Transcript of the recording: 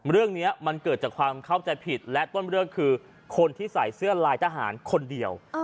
เรื่องนี้มันเกิดจากความเข้าใจผิดและต้นเรื่องคือคนที่ใส่เสื้อลายทหารคนเดียว